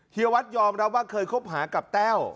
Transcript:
วัดยอมรับว่าเคยคบหากับแต้ว